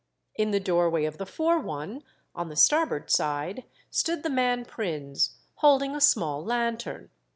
In the doorway of the fore one, on the starboard side, stood the man Prins, holding a small lanthorn.